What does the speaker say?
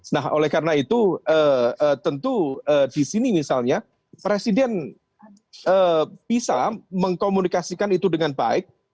nah oleh karena itu tentu di sini misalnya presiden bisa mengkomunikasikan itu dengan baik